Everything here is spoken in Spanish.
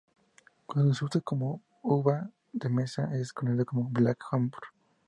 Cuando se usa como uva de mesa, es conocida como black Hamburg.